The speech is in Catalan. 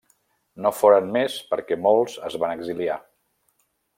No foren més perquè molts es van exiliar.